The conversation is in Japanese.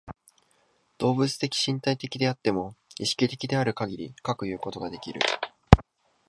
動物的身体的であっても、意識的であるかぎりかくいうことができる。